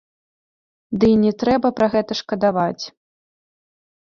Дый не трэба пра гэта шкадаваць.